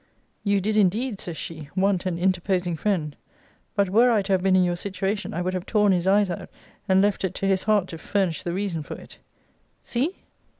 'You did, indeed,' says she, 'want an interposing friend but were I to have been in your situation, I would have torn his eyes out, and left it to his heart to furnish the reason for it.' See!